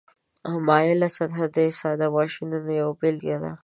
مایله سطحه د ساده ماشینونو یوه بیلګه ده.